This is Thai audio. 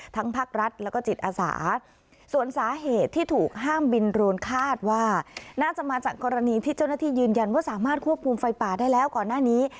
ภาครัฐแล้วก็จิตอาสาส่วนสาเหตุที่ถูกห้ามบินโรนคาดว่าน่าจะมาจากกรณีที่เจ้าหน้าที่ยืนยันว่าสามารถควบคุมไฟป่าได้แล้วก่อนหน้านี้